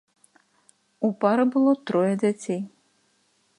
У пары было трое дзяцей.